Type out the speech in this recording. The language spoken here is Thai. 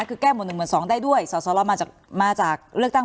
คือแก้หมดหนึ่งหมดสองได้ด้วยสอดสอดเรามาจากมาจากเลือกตั้ง